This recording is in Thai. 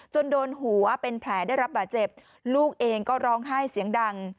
โดนหัวเป็นแผลได้รับบาดเจ็บลูกเองก็ร้องไห้เสียงดัง